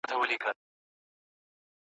هر غزل مي په دېوان کي د ملنګ عبدالرحمن کې